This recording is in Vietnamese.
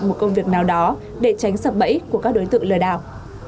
một công việc nào đó để tránh sập bẫy của các đối tượng lừa đảo